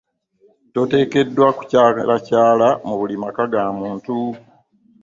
Toteekeddwa kukyalakyala mu buli maka ga muntu.